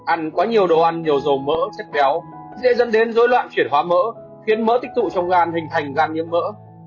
ăn quá nhiều đồ ăn nhiều dầu mỡ chất béo dễ dân đến dối loạn chuyển hóa mỡ khiến mỡ tích trữ trong gan hình thành gan nhiễm mỡ